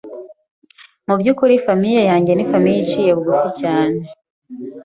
Mu byukuri famille yanjye ni famille iciye bugufi cyane